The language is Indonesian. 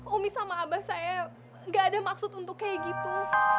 umi sama abah saya gak ada maksud untuk kayak gitu